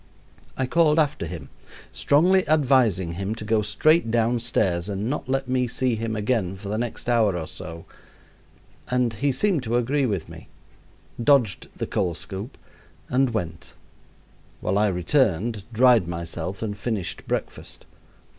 I called after him, strongly advising him to go straight downstairs and not let me see him again for the next hour or so; and he seeming to agree with me, dodged the coal scoop and went, while I returned, dried myself and finished breakfast.